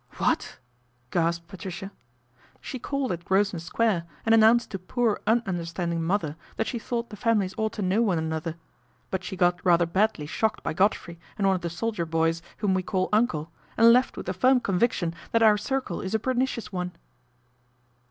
" What !" gasped Patricia. " She called at Grosvenor Square and an nounced to poor, un understanding mother that she thought the families ought to know one another. But she got rather badly shocked by Godfrey and one of the soldier boys, whom we call ' Uncle/ and left with the firm conviction that our circle is a pernicious one."